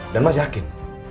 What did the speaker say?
dan mas yakin